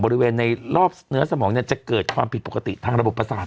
ในรอบเนื้อสมองจะเกิดความผิดปกติทางระบบประสาท